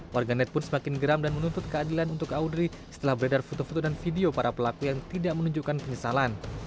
warganet pun semakin geram dan menuntut keadilan untuk audrey setelah beredar foto foto dan video para pelaku yang tidak menunjukkan penyesalan